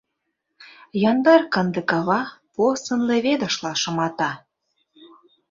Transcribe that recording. Яндар канде кава порсын леведышла шымата.